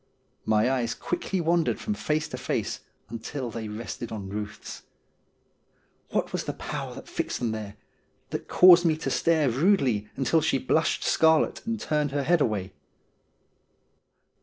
My eyes quickly wandered from face to face until they rested on Kuth's. What was the power that fixed them there — that caused me to stare rudely until she blushed scarlet and turned her head away